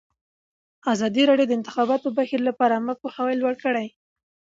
ازادي راډیو د د انتخاباتو بهیر لپاره عامه پوهاوي لوړ کړی.